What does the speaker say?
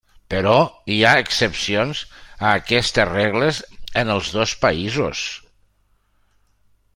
Però hi ha excepcions a aquestes regles en els dos països.